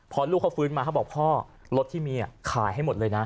พอลูกเขาฟื้นมาเขาบอกพ่อรถที่มีขายให้หมดเลยนะ